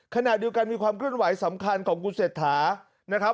ขณะดูกันมีความเครื่องไหวสำคัญของคุณเศรษฐา